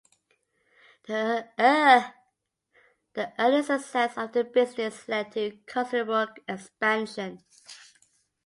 The early success of the business led to considerable expansion.